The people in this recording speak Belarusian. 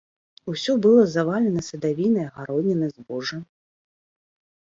Усё было завалена садавінай, гароднінай, збожжам.